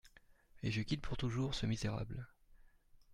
Et je quitte pour toujours ce misérable.